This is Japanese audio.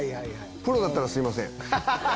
プロだったらすいません。